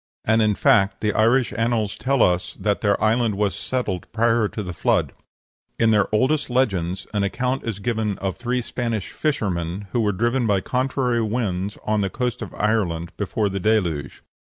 And, in fact, the Irish annals tell us that their island was settled prior to the Flood. In their oldest legends an account is given of three Spanish fishermen who were driven by contrary winds on the coast of Ireland before the Deluge.